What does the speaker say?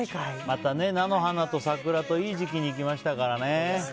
また菜の花と桜といい時期に行きましたからね。